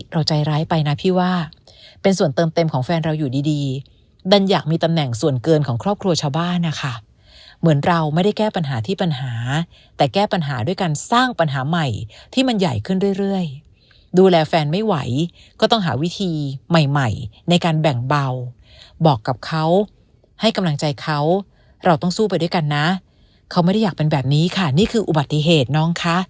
เราใจร้ายไปนะพี่ว่าเป็นส่วนเติมเต็มของแฟนเราอยู่ดีดีดันอยากมีตำแหน่งส่วนเกินของครอบครัวชาวบ้านนะคะเหมือนเราไม่ได้แก้ปัญหาที่ปัญหาแต่แก้ปัญหาด้วยการสร้างปัญหาใหม่ที่มันใหญ่ขึ้นเรื่อยดูแลแฟนไม่ไหวก็ต้องหาวิธีใหม่ใหม่ในการแบ่งเบาบอกกับเขาให้กำลังใจเขาเราต้องสู้ไปด้วยกันนะเขาไม่ได้อยากเป็นแบบนี้ค่ะนี่คืออุบัติเหตุน้องคะ